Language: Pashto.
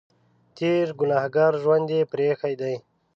تېر ګنهګار ژوند یې پرې اېښی دی.